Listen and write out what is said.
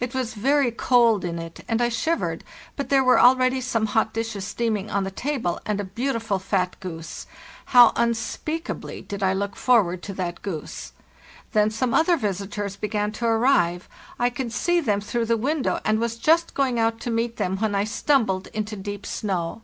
It was very cold in it, and I shivered, but there were already some hot dishes steaming on the table, and a beautiful fat goose. How unspeakably did I look for ward to that goose! Then some other visitors began to arrive; I could see them through the window, and was just going out to meet them when I stumbled into deep snow.